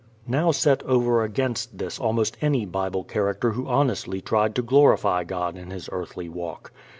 Now set over against this almost any Bible character who honestly tried to glorify God in his earthly walk.